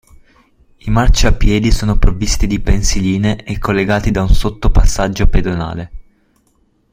I marciapiedi sono provvisti di pensiline e collegati da un sottopassaggio pedonale.